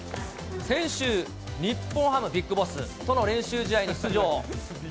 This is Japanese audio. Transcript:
先週、日本ハム、ビッグボスとの練習試合に出場。